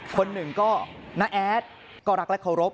คนหนึ่งก็น้าแอดก็รักและเคารพ